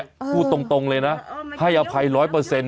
เข้าคุยตรงเลยนะให้อภัยร้อยเปอร์เซ็นต์